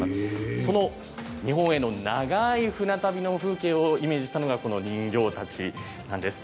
その日本への長い船旅の風景をイメージしたのがこの人形たちなんです。